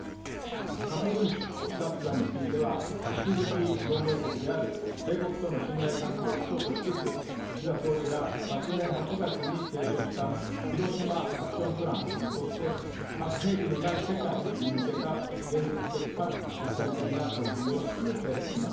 核軍縮・不拡散については、引き続き同盟国である米国との信頼関係を基礎としつつ、岸田総理が昨年８月に提唱したヒロシマ・アクション・プランに沿って、核兵器のない世界に向けた、現実的かつ実践的な取り組みを進めていきます。